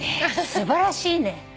素晴らしいね。